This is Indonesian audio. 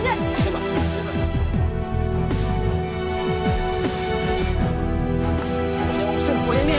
jangan sampai dia mengusir boynya ini